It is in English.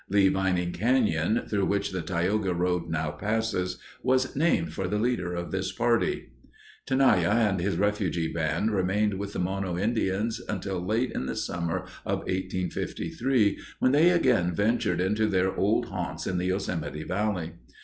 Leevining Canyon, through which the Tioga Road now passes, was named for the leader of this party. Tenaya and his refugee band remained with the Mono Indians until late in the summer of 1853, when they again ventured into their old haunts in the Yosemite Valley.